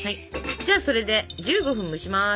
じゃあそれで１５分蒸します！